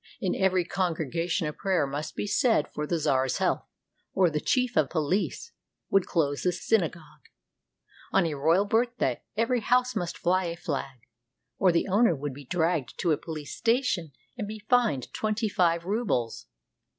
In every congregation a prayer must be said for the czar's health, or the chief of police would close the synagogue. On a royal birthday every house must fly a flag, or the owner would be dragged to a police station and be fined twenty five rubles.